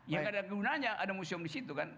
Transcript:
ya nggak ada gunanya ada museum di situ kan